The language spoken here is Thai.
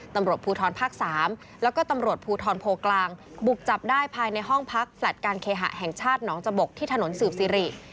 ตำรวจภูทรภาค๓แล้วก็ตำรวจภูทรโพกลางบุกจับได้ภายในห้องพักแฟลต์การเคหะแห่งชาติหนองจบกที่ถนนสืบสิริ